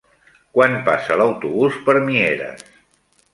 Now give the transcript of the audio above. Quan passa l'autobús per Mieres?